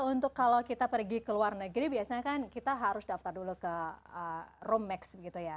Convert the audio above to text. untuk kalau kita pergi ke luar negeri biasanya kan kita harus daftar dulu ke room max gitu ya